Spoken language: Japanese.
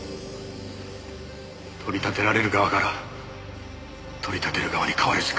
取り立てられる側から取り立てる側に変わるしか。